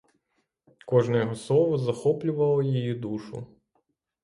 Кожне його слово захоплювало її душу.